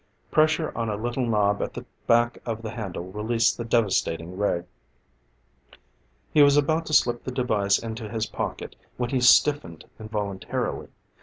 Pressure on a little knob at the back of the handle released the devastating ray. He was about to slip the device into his pocket when he stiffened involuntarily.